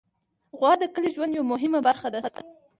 غوا د کلي ژوند یوه مهمه برخه ده.